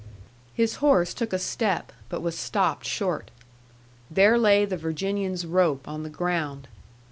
His horse took a step, but was stopped short. There lay the Virginian's rope on the ground.